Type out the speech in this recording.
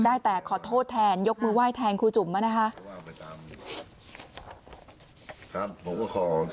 ได้แต่ขอโทษแทนยกมือไหว้แทนครูจุ๋มมานะคะ